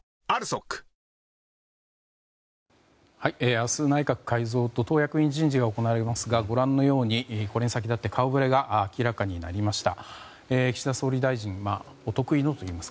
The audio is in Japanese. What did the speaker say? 明日、内閣改造と党役員人事が行われますがご覧のようにこれに先立って顔ぶれが明らかになりました。